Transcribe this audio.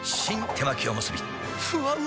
手巻おむすびふわうま